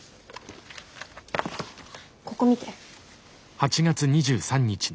ここ見て。